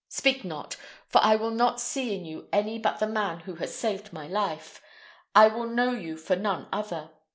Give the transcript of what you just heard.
Speak not, for I will not see in you any but the man who has saved my life; I will know you for none other.